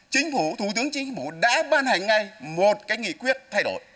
chính phủ thủ tướng chính phủ đã ban hành ngay một cái nghị quyết thay đổi